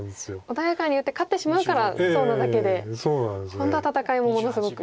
穏やかに打って勝ってしまうからそうなだけで本当は戦いもものすごく。